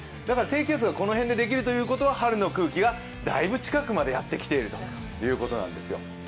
だから低気圧がこの辺でできるということは春の空気が大夫近くまでやってきているということなんですよ。